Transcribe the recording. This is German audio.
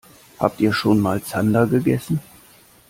Habt ihr schon mal Zander gegessen?